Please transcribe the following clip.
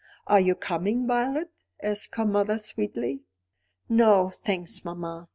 "Are you coming, Violet?" asked her mother sweetly. "No, thanks, mamma.